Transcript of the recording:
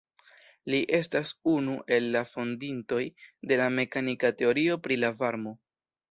Li estas unu el la fondintoj de la mekanika teorio pri la varmo.